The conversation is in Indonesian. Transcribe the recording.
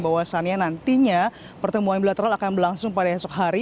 bahwasannya nantinya pertemuan bilateral akan berlangsung pada esok hari